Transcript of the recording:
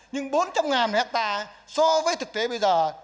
nhưng bốn trăm linh hectare so với thực tế bây giờ